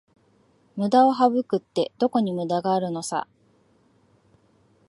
ムダを省くって、どこにムダがあるのさ